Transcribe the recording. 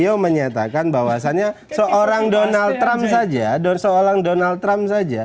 ini kan anak jewernya